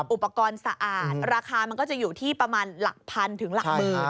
อุปกรณ์สะอาดราคามันก็จะอยู่ที่ประมาณหลักพันถึงหลักหมื่น